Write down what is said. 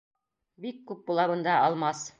Бик күп була бында алмас.